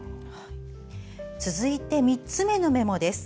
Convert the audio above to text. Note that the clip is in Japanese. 続いて３つ目のメモ。